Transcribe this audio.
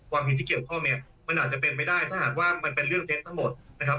เห็นที่เกี่ยวข้องเนี่ยมันอาจจะเป็นไปได้ถ้าหากว่ามันเป็นเรื่องเท็จทั้งหมดนะครับ